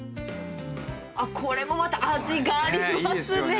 これもまた味がありますね。